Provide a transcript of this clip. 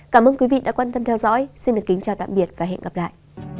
cảm ơn quý vị đã quan tâm theo dõi xin kính chào tạm biệt và hẹn gặp lại